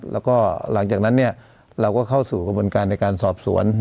แล้วก็หลังจากนั้นเราก็เข้าสู่กระบวนการในการสอบสวน